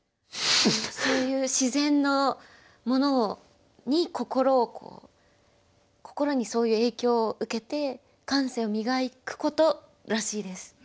そういう自然のものに心を心にそういう影響を受けて感性を磨くことらしいです。